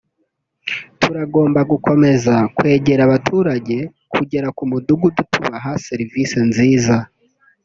turagomba gukomeza kwegera abaturage kugera ku mudugudu tubaha serivisi nziza”